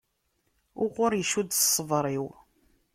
Uɣur icudd ṣṣber-iw.